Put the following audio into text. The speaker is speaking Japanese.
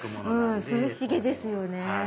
涼しげですよね。